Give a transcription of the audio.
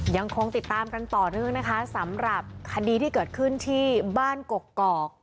ยังคงติดตามกันต่อเนื่องนะคะสำหรับคดีที่เกิดขึ้นที่บ้านกกอก